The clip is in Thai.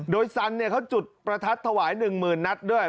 โดยสันเขาจุดประทัดถวาย๑๐๐๐นัดด้วย